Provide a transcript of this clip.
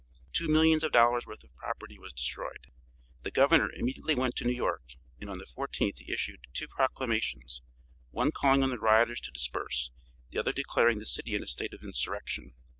Two millions of dollars' worth of property was destroyed. The Governor immediately went to New York, and on the 14th he issued two proclamations; one calling on the rioters to disperse; the other declaring the city in a state of insurrection.